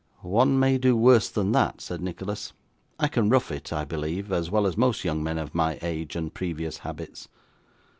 'One may do worse than that,' said Nicholas. 'I can rough it, I believe, as well as most young men of my age and previous habits.